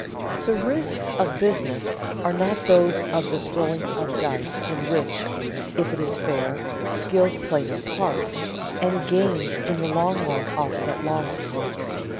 The risks of business are not those of the throwing of dice in which (if it is fair) skill plays no part, and gains in the long run offset losses.